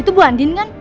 itu bu andien kan